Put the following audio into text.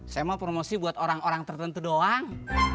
saya mau promosi buat orang orang tertentu doang